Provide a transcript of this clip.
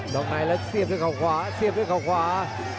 ต่อไหนแล้วเสียบด้วยข่าวขวาเสียบด้วยข่าวขวา